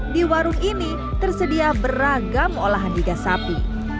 di warung ini tersedia beragam olahan iga sapi